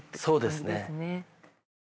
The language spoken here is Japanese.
そうですね。